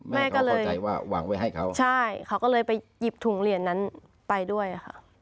แม่ก็เข้าใจว่าวางไว้ให้เขาใช่เขาก็เลยไปหยิบถุงเหรียญนั้นไปด้วยค่ะ